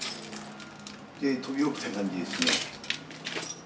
飛び起きた感じですね。